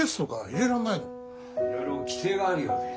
いろいろ規定があるようで。